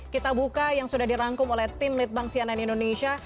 kita buka yang sudah dirangkum oleh tim litbang sianen indonesia